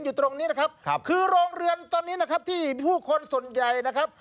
ครับครับคือโรงเรือนตอนนี้นะครับที่ผู้คนส่วนใหญ่นะครับ